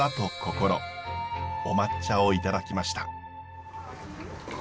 お抹茶をいただきました。